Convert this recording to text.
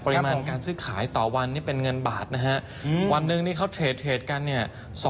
ปริมาณการซื้อขายต่อวันนี้เป็นเงินบาทวันหนึ่งเขาเทรดกันเนี่ย